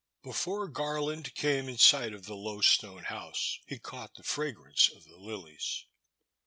BEFORE Garland came in sight of the low stone house he caught the fragrance of the lilies.